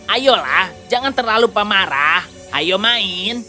ayolah jangan terlalu pemarah ayo main